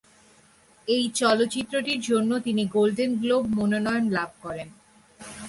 এই চলচ্চিত্রটির জন্য তিনি গোল্ডেন গ্লোব মনোনয়ন লাভ করেন।